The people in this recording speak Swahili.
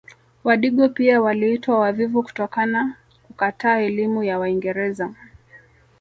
Wadigo pia waliitwa wavivu kutokana kukataa elimu ya waingereza